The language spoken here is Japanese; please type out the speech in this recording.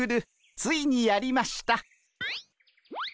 ついにやりました。